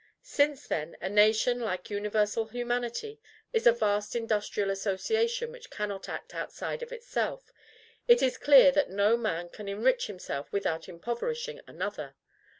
Since, then, a nation, like universal humanity, is a vast industrial association which cannot act outside of itself, it is clear that no man can enrich himself without impoverishing another.